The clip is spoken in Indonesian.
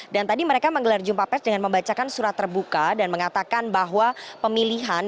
dan tadi mereka menggelar jumpa pers dengan membacakan surat terbuka dan mengatakan bahwa pemilihan